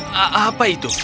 hahaha apa itu